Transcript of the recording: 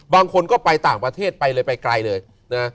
บางคนก็ไปต่างประเทศไปเลยไปไกลเลยนะ